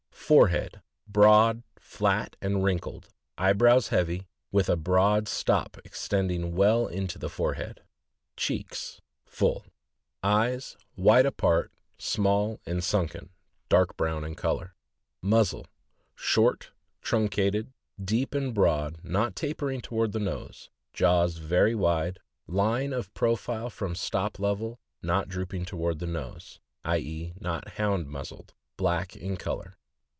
Forehead. — Broad, fiat, and wrinkled; eyebrows heavy, with a broad stop extending well into the forehead. Gfafifo.— Full Eyes. — Wide apart, small, and sunken; dark brown in color. Muzzle.— Short, truncated, deep and broad, not tapering toward the nose; jaws very wide; line of profile from stop level, not drooping toward the nose (i. e., not Hound muz zled); black in color.